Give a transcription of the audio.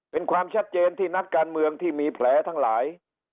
เป็นความชัดเจนที่นักการเมืองที่มีแผลทั้งหลาย